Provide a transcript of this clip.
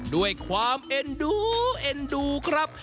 ด้วยความเอ็นดูเอ็นดูครับ